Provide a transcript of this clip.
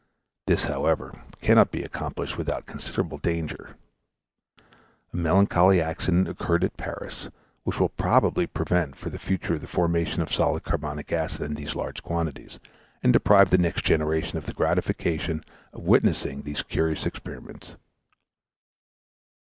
This, however, cannot be accomplished without considerable danger. A melancholy accident occurred at Paris, which will probably prevent for the future the formation of solid carbonic acid in these large quantities, and deprive the next generation of the gratification of witnessing these curious experiments.